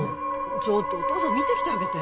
ちょっとお父さん見てきてあげて・